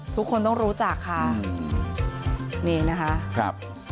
ทุกคนต้องรู้จักค่ะ